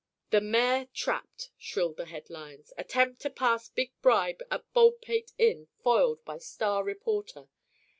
"The Mayor Trapped," shrilled the head lines. "Attempt to Pass Big Bribe at Baldpate Inn Foiled by Star Reporter.